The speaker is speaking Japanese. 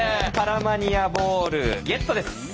パラマニアボールゲットです。